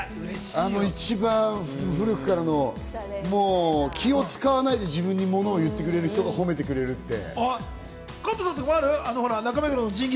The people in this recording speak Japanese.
一番古くからの気を使わないで自分にモノを言ってくれる人が褒めてくれるって。